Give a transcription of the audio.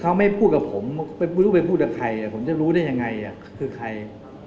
เขาไม่พูดกับผมไม่รู้ไปพูดกับใครผมจะรู้ได้ยังไงคือใคร